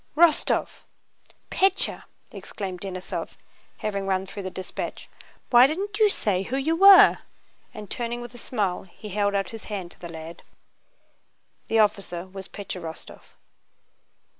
"Wostóv! Pétya!" exclaimed Denísov, having run through the dispatch. "Why didn't you say who you were?" and turning with a smile he held out his hand to the lad. The officer was Pétya Rostóv.